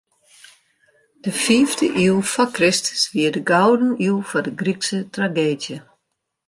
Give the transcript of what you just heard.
De fiifde iuw foar Kristus wie de gouden iuw foar de Grykske trageedzje.